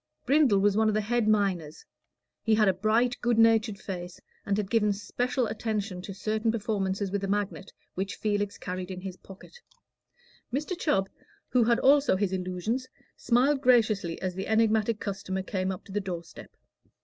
Brindle was one of the head miners: he had a bright good natured face, and had given especial attention to certain performances with a magnet which Felix carried in his pocket. Mr. Chubb, who had also his illusions, smiled graciously as the enigmatic customer came up to the door step.